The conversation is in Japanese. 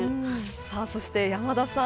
そして山田さん。